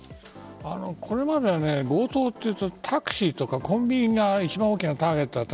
これまでは強盗というとタクシーとかコンビニが一番大きなターゲットだった。